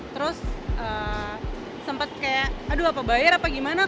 terus sempet kayak aduh apa bayar apa gimana